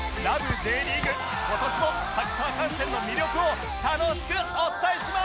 Ｊ リーグ』今年もサッカー観戦の魅力を楽しくお伝えします！